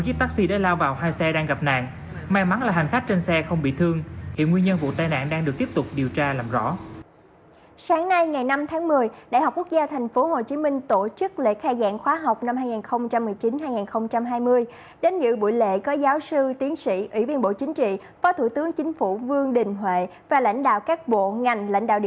và lãnh đạo các bộ ngành lãnh đạo địa phương đại học quốc gia tp hcm và các em sinh viên